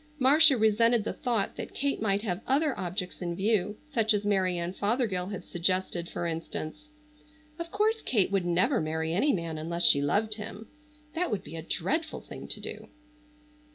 Marcia resented the thought that Kate might have other objects in view, such as Mary Ann Fothergill had suggested for instance. Of course Kate would never marry any man unless she loved him. That would be a dreadful thing to do.